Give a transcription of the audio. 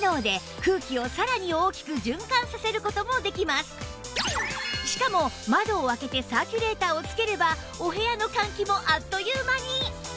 またしかも窓を開けてサーキュレーターをつければお部屋の換気もあっという間に